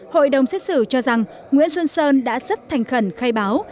hội đồng xét xử cho rằng nguyễn xuân sơn đã rất thành khẩn khai báo